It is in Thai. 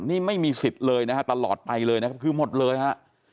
นี่ไม่มีสิทธิ์เลยนะฮะตลอดไปเลยนะครับคือหมดเลยฮะ